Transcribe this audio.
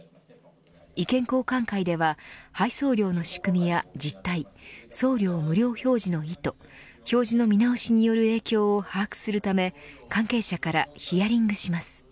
意見交換会では配送料の仕組みや実態送料無料表示の意図表示の見直しによる影響を把握するため関係者からヒアリングします。